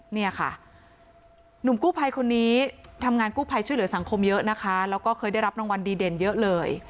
เนี่ยค่ะหนุ่มกู้ภัยคนนี้ทำงานกู้ภัยช่วยเหลือสังคมเยอะนะคะแล้วก็เคยได้รับรางวัลดีเด่นเยอะเลย